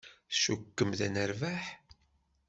Tcukkemt ad nerbeḥ?